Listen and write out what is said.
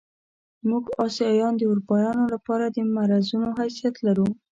موږ اسیایان د اروپایانو له پاره د مرضونو حیثیت لرو.